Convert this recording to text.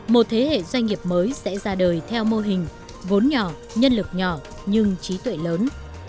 một thế hệ doanh nghiệp mới sẽ ra đời theo mô hình vốn nhỏ nhân lực nhỏ nhưng trí tuệ lớn